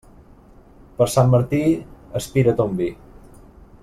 Per Sant Martí, aspira ton vi.